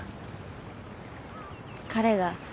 彼が。